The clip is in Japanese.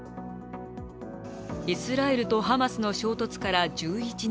イスラエルとハマスの衝突から１１日